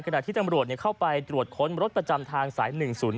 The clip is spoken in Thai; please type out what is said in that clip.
ขณะที่ตำรวจเข้าไปตรวจค้นรถประจำทางสาย๑๐๔